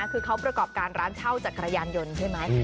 คือเขาประกอบการร้านเช่าจักรยานยนต์ใช่ไหม